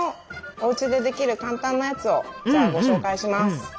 おうちでできる簡単なやつをじゃあご紹介します。